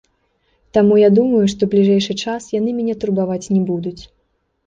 Таму я думаю, што бліжэйшы час яны мяне турбаваць не будуць.